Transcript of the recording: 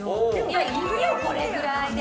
いやいいよこれぐらいで。